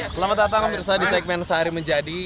selamat datang di segmen sehari menjadi